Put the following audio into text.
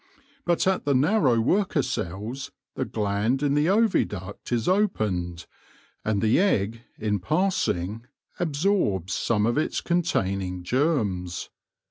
But at the nar row worker cells the gland in the oviduct is opened, and the egg, in passing, absorbs some of its containing germs.